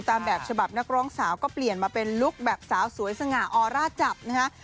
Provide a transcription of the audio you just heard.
ตามแบบฉบับนักร้องสาวก็เปลี่ยนมาเป็นลุคแบบสาวสวยสง่าออร่าจับนะฮะ